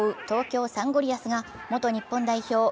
東京サンゴリアスが元日本代表